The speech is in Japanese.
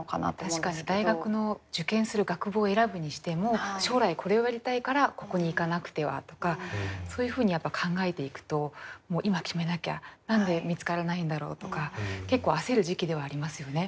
確かに大学の受験する学部を選ぶにしても将来これをやりたいからここに行かなくてはとかそういうふうに考えていくともう今決めなきゃ何で見つからないんだろうとか結構焦る時期ではありますよね。